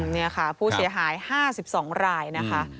นี่ค่ะผู้เสียหาย๕๒รายนะคะ